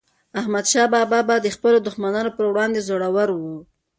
احمدشاه بابا به د خپلو دښمنانو پر وړاندي زړور و.